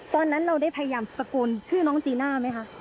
ตอนนั้นเราได้พยายามตะโกนชื่อน้องจีน่าไหมคะ